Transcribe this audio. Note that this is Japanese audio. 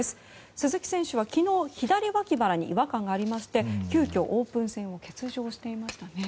鈴木選手は昨日左脇腹に違和感がありまして急きょオープン戦を欠場していましたね。